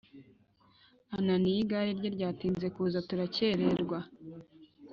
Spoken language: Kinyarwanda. Ananiya igare rye ryatinze kuza turakererwa